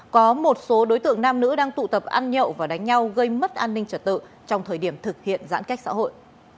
có một số đối tượng nam nữ đang tụ tập ăn nhậu và đánh nhau gây mất an ninh trật tự trong thời điểm thực hiện giãn cách xã hội